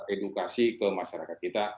edukasi ke masyarakat kita